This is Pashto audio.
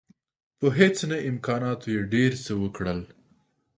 په هیڅ نه امکاناتو یې ډېر څه وکړل.